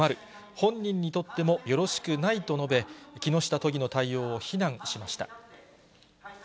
本人にとっても、よろしくないと述べ、木下都議の対応を非難しました。